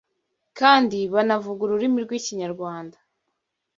kandi banavuga ururimi rw’Ikinyarwanda